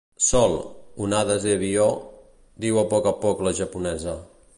Sol, onades i avió —diu a poc a poc la japonesa.